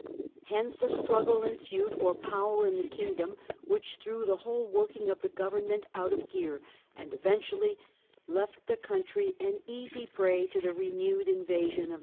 Hence a struggle ensued for power in the Kingdom, which threw the whole working of the government out of gear, and eventually left the country an easy prey to the renewed invasion of the English.